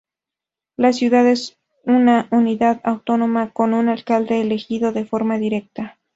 La ciudad es una unidad autónoma, con un alcalde elegido de forma directa.